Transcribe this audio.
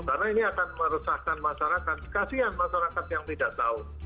karena ini akan merusakkan masyarakat kasian masyarakat yang tidak tahu